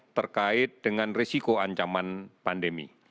terkait dengan risiko ancaman pandemi